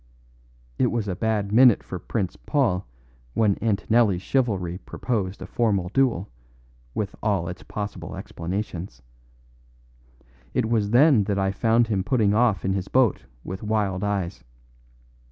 It was a bad minute for Prince Paul when Antonelli's chivalry proposed a formal duel, with all its possible explanations. It was then that I found him putting off in his boat with wild eyes.